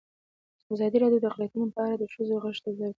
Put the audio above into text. ازادي راډیو د اقلیتونه په اړه د ښځو غږ ته ځای ورکړی.